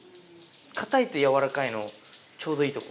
硬いと軟らかいのちょうどいいとこ。